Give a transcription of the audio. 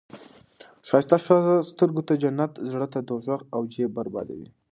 ښایسته ښځه سترګو ته جنت، زړه ته دوزخ او جیب بربادي وي.